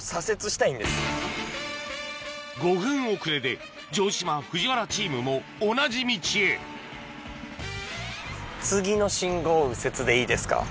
５分遅れで城島・藤原チームも同じ道へ次の信号を右折でいいですか？